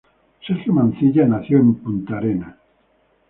Sergio Mancilla nació en Punta Arenas.